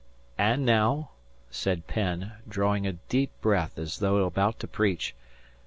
"And now," said Penn, drawing a deep breath as though about to preach.